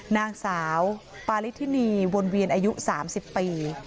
นางสาวปาริธินีวนเวียนอายุ๓๐ปี